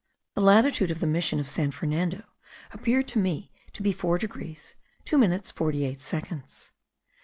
The latitude of the mission of San Fernando appeared to me to be 4 degrees 2 minutes 48 seconds.